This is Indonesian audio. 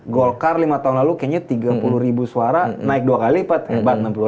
golkar lima tahun lalu kayaknya tiga puluh ribu suara naik dua kali lipat hebat